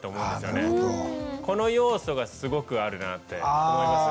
この要素がすごくあるなって思いますよ。